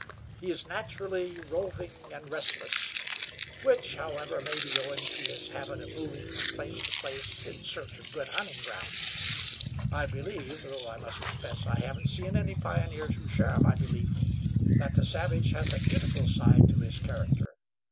He is naturally roving and restless, which, however, may be owing to his habit of moving from place to place in search of good hunting grounds. I believe though I must confess I haven't seen any pioneers who share my belief that the savage has a beautiful side to his character.